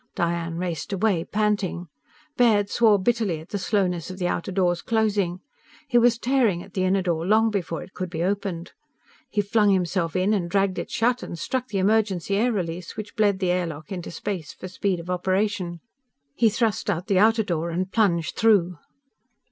Diane raced away, panting. Baird swore bitterly at the slowness of the outer door's closing. He was tearing at the inner door long before it could be opened. He flung himself in and dragged it shut, and struck the emergency air release which bled the air lock into space for speed of operation. He thrust out the outer door and plunged through.